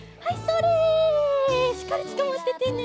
しっかりつかまっててね。